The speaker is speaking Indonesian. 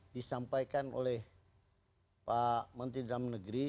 disampaikan oleh pak menteri dalam negeri